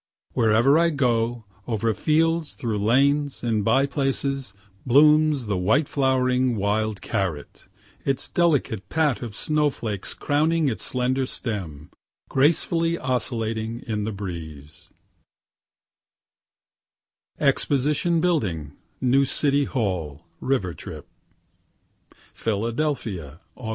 Wherever I go over fields, through lanes, in by places, blooms the white flowering wild carrot, its delicate pat of snow flakes crowning its slender stem, gracefully oscillating in the breeze, EXPOSITION BUILDING NEW CITY HALL RIVER TRIP PHILADELPHIA, _Aug.